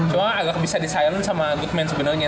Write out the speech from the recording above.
cuma agak bisa di silent sama goodman sebenernya